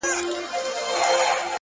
که د ژوند لاره ده ، هغه د محبت لاره ده